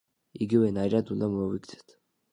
იგივე ნაირად უნდა მოვიქცეთ.